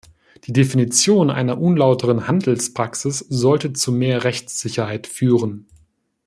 Die Definition einer unlauteren Handelspraxis sollte zu mehr Rechtssicherheit führen.